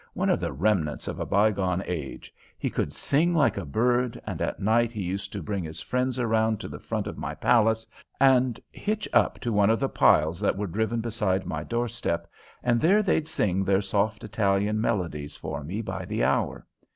"One of the remnants of a by gone age. He could sing like a bird, and at night he used to bring his friends around to the front of my palace and hitch up to one of the piles that were driven beside my doorstep, and there they'd sing their soft Italian melodies for me by the hour.